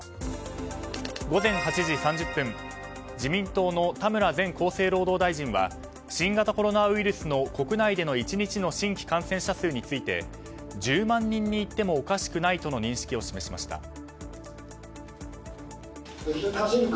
午前８時３０分自民党の田村前厚生労働大臣は新型コロナウイルスの国内での１日の新規感染者数について１０万人にいってもおかしくないとの認識を示しました。